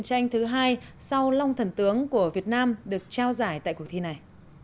tranh thứ hai sau long thần tướng của việt nam được trao giải tại cuộc thi này